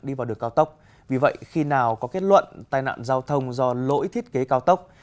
đi vào đường cao tốc vì vậy khi nào có kết luận tai nạn giao thông do lỗi thiết kế cao tốc